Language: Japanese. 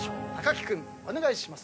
木君お願いします。